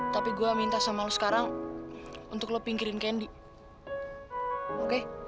tapi gue minta sama lo sekarang untuk lo pinggirin candy oke